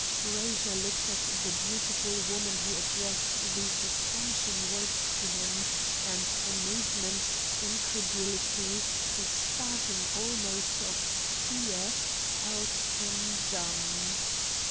Frazer looked at the beautiful woman who addressed these astonishing words to him, and amazement, incredulity, a spasm almost of fear, held him dumb.